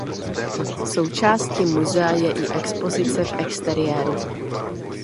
Součástí muzea je i expozice v exteriéru.